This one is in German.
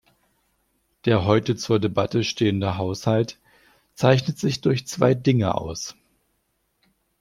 Der heute zur Debatte stehende Haushalt zeichnet sich durch zwei Dinge aus.